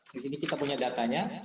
di sini kita punya datanya